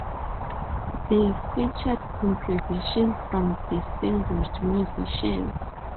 They featured contributions from distinguished musicians.